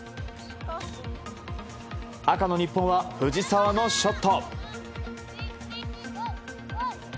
赤の日本は藤澤のショット。